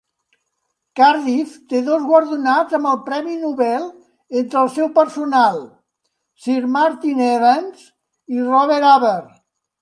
Cardiff té dos guardonats amb el Premi Nobel entre el seu personal, Sir Martin Evans i Robert Huber.